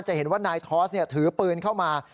จะเห็นว่านายทอสถือปืนเข้ามา